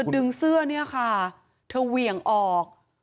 ดึงเสื้อเนี่ยค่ะเธอเหวี่ยงออก